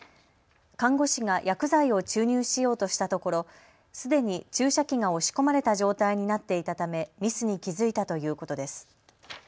看護師が薬剤を注入しようとしたところすでに注射器が押し込まれた状態になっていたためミスに気付いたということです。